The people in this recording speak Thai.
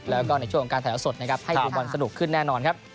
และในช่วงของการถ่ายเคล้าสดให้บุญมันสนุกขึ้นแน่นอนครับ